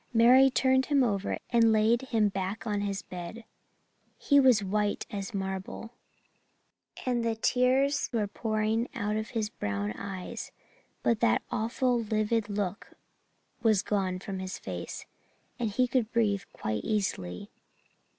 Mary turned him over and laid him back on his bed. He was white as marble and the tears were pouring out of his brown eyes but that awful livid look was gone from his face and he could breathe quite easily.